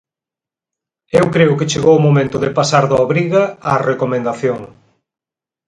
Eu creo que chegou o momento de pasar da obriga á recomendación.